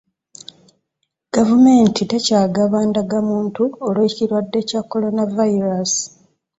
Gavumenti tekyagaba ndagamuntu olw'ekirwadde kya Corona virus